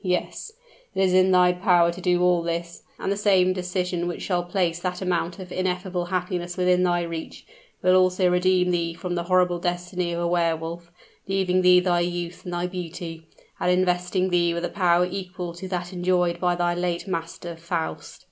Yes; it is in thy power to do all this and the same decision which shall place that amount of ineffable happiness within thy reach, will also redeem thee from the horrible destiny of a Wehr Wolf leaving thee thy youth and thy beauty, and investing thee with a power equal to that enjoyed by thy late master, Faust."